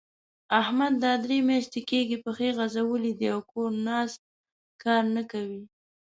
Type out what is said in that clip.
احمد دا درې مياشتې کېږي؛ پښې غځولې دي او کور ناست؛ کار نه کوي.